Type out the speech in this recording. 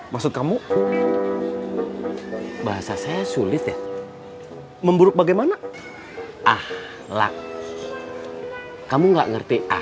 maksud kamu bahasa saya sulit ya memburuk bagaimana ahlak kamu nggak ngerti ah